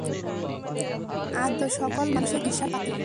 আদি-অন্ত সকল মানুষের ঈর্ষার পাত্র।